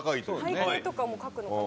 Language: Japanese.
背景とかも描くのかな。